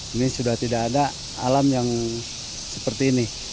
ini sudah tidak ada alam yang seperti ini